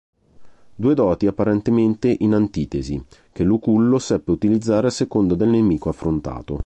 Due doti apparentemente in antitesi, che Lucullo seppe utilizzare a seconda del nemico affrontato.